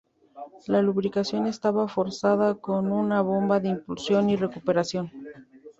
La lubricación estaba forzada con una bomba de impulsión y recuperación.